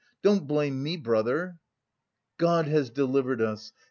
Don't blame me, brother!" "God has delivered us!